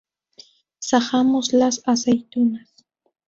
Sajamos las aceitunas.